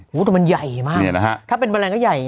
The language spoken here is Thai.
โหแต่มันใหญ่มากถ้าเป็นแมลงก็ใหญ่